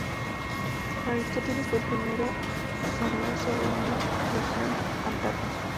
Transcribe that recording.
Aristóteles fue el primero hablar sobre una ""región antártica".